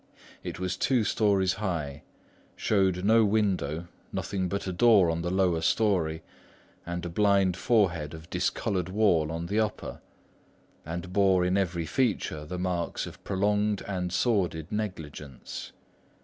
It was two storeys high; showed no window, nothing but a door on the lower storey and a blind forehead of discoloured wall on the upper; and bore in every feature, the marks of prolonged and sordid negligence.